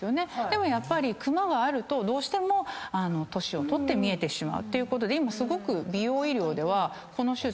やっぱりクマがあるとどうしても年を取って見えてしまうってことですごく美容医療でこの手術